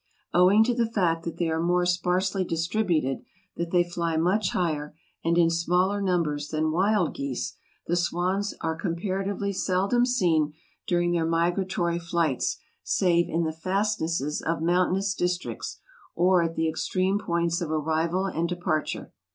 Owing to the fact that they are more sparsely distributed, that they fly much higher and in smaller numbers than wild geese, the swans are comparatively seldom seen during their migratory flights save in the fastnesses of mountainous districts or at the extreme points of arrival and departure.